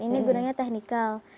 ini gunungnya teknikal